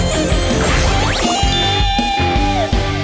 พ่อเวลาไปแล้ว